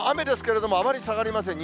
雨ですけれども、あまり下がりません。